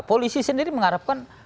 polisi sendiri mengharapkan